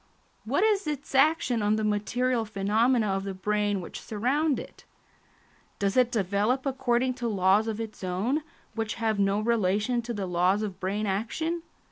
What is its action on the material phenomena of the brain which surround it? Does it develop according to laws of its own, which have no relation to the laws of brain action?